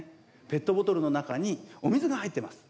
ペットボトルの中にお水が入ってます。